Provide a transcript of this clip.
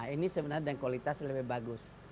ini sebenarnya dengan kualitas lebih bagus